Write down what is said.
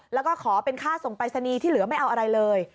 แล้วก็ขอเป็นค่าส่งปรายศนีย์ที่เหลือไม่เอาอะไรเลย